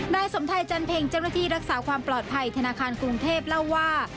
นายสมไทยจันเพ็งเจ้าหน้าที่รักษาความปลอดภัยธนาคารกรุงเทพเล่าว่า